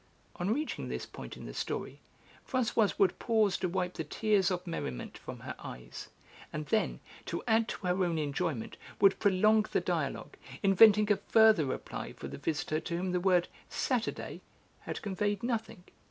On reaching this point in the story, Françoise would pause to wipe the tears of merriment from her eyes, and then, to add to her own enjoyment, would prolong the dialogue, inventing a further reply for the visitor to whom the word 'Saturday' had conveyed nothing.